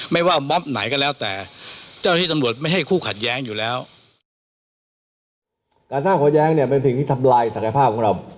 ไม่ว่า๗๕๐ก่อนหลายก็แล้วแต่โจทย์ที่ตำรวจไม่ให้พูดขัดแย้งอยู่แล้ว